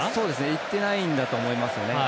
いってないんだと思います。